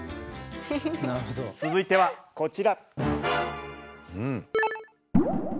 続いてはこちら。